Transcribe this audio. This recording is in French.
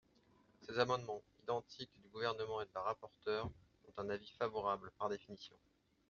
Ces amendements identiques du Gouvernement et de la rapporteure ont un avis favorable, par définition.